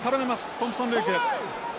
トンプソンルーク。